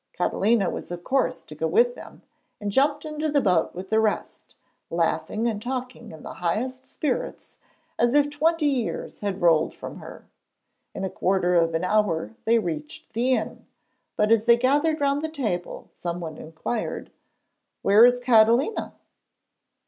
Catalina was of course to go with them, and jumped into the boat with the rest, laughing and talking in the highest spirits as if twenty years had rolled from her. In a quarter of an hour they reached the inn, but as they gathered round the table, someone inquired: 'Where is Catalina?'